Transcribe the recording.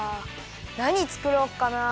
なにつくろうかな。